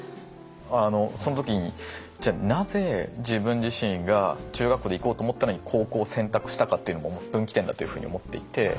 その時にじゃあなぜ自分自身が中学校で行こうと思ったのに高校を選択したかっていうのも分岐点だというふうに思っていて。